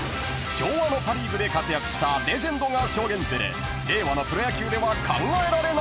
［昭和のパ・リーグで活躍したレジェンドが証言する令和のプロ野球では考えられない話］